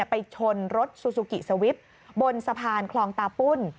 ไปชนรถซูซูกิสวิปบนสะพานคลองตาปุ้น